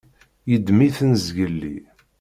Yeddem-iten zgelli.